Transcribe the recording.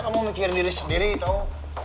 kamu mikir diri sendiri tau